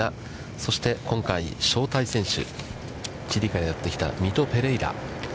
そして、今回、招待選手、チリからやってきたミト・ペレイラ。